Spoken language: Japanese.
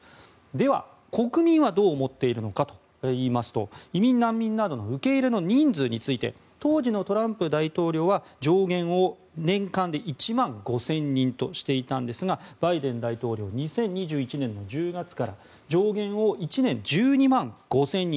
では、国民はどう思っているのかといいますと移民・難民などの受け入れの人数について当時のトランプ大統領は上限を年間で１万５０００人としていたんですがバイデン大統領は２０２１年の１０月から上限を１年１２万５０００人。